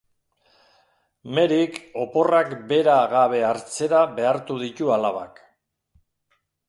Mariek oporrak bera gabe hartzera behartu ditu alabak.